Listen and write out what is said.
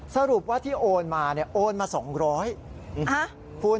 สรุปว่าที่โอนมาเนี่ยโอนมา๒๐๐บาท